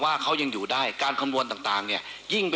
แต่เดิมไปชี้นี้